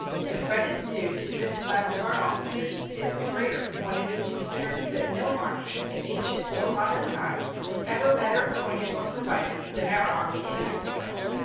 The credit due to this class of our officers is the greater when it is considered that no army in ancient or modern times was even better appointed or provided than our Army in Mexico.